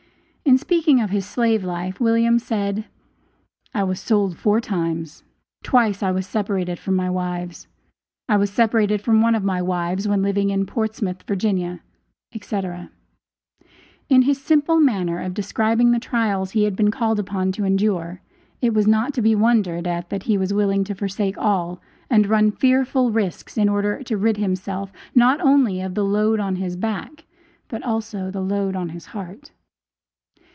In speaking of his slave life William said: "I was sold four times; twice I was separated from my wives. I was separated from one of my wives when living in Portsmouth, Virginia," etc. In his simple manner of describing the trials he had been called upon to endure, it was not to be wondered at that he was willing to forsake all and run fearful risks in order to rid himself not only of the "load on his back," but the load on his heart.